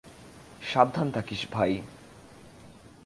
সাবধান থাকিস, ভাই।